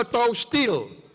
pln krakatau steel